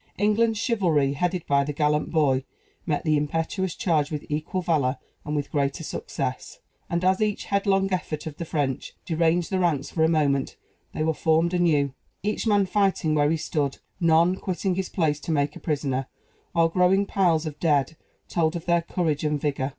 England's chivalry, headed by the gallant boy, met the impetuous charge with equal valor and with greater success; and as each headlong effort of the French deranged the ranks for a moment, they were formed anew, each man fighting where he stood, none quitting his place to make a prisoner, while growing piles of dead told of their courage and vigor.